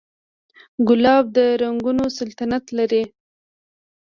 ګلاب د رنګونو سلطنت لري.